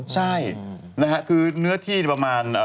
ใช่นะฮะคือเนื้อที่ประมาณ